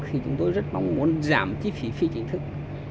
thì chúng tôi rất mong muốn giảm chi phí phi chính thức